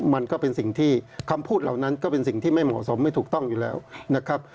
มันก็เป็นสิ่งที่คำพูดเหล่านั้นก็เป็นสิ่งที่ไม่เหมาะสมไม่ถูกต้องอยู่แล้วนะครับ